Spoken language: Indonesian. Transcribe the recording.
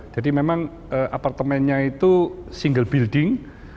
jadi memang apartemennya itu single building